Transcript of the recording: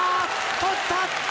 取った！